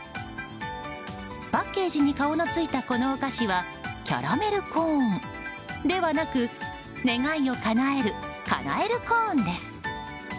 パッケージに顔のついたこのお菓子はキャラメルコーンではなく願いをかなえるカナエルコーンです。